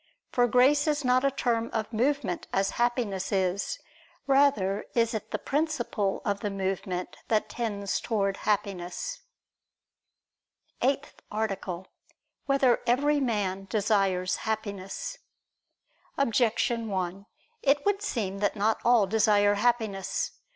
For grace is not a term of movement, as Happiness is; rather is it the principle of the movement that tends towards Happiness. ________________________ EIGHTH ARTICLE [I II, Q. 5, Art. 8] Whether Every Man Desires Happiness? Objection 1: It would seem that not all desire Happiness.